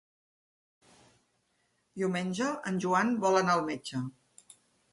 Diumenge en Joan vol anar al metge.